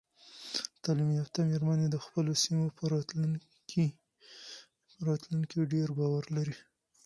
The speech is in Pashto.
تعلیم یافته میرمنې د خپلو سیمو په راتلونکي ډیر باور لري.